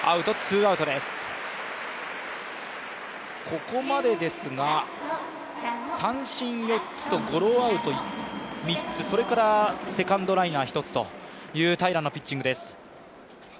ここまでですが、三振４つとゴロアウト３つ、それからセカンドライナー１つという平良のピッチングです。